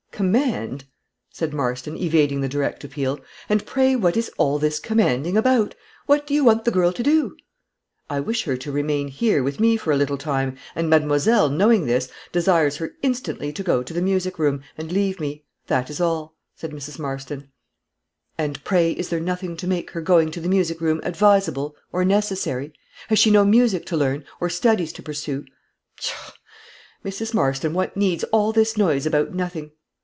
"Command!" said Marston, evading the direct appeal; "and pray what is all this commanding about? What do you want the girl to do?" "I wish her to remain here with me for a little time, and mademoiselle, knowing this, desires her instantly to go to the music room, and leave me. That is all," said Mrs. Marston. "And pray, is there nothing to make her going to the music room advisable or necessary? Has she no music to learn, or studies to pursue? Pshaw! Mrs. Marston, what needs all this noise about nothing?